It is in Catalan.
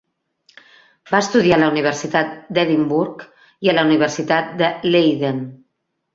Va estudiar a la Universitat d'Edimburg i a la Universitat de Leiden.